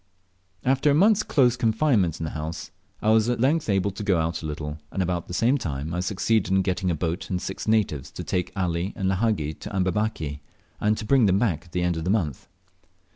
After a month's close confinement in the house I was at length able to go out a little, and about the same time I succeeded in getting a boat and six natives to take Ali and Lahagi to Amberbaki, and to bring them back at the end of a month.